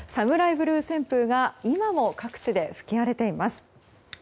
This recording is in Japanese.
ブルー旋風が今も各地で吹き荒れています。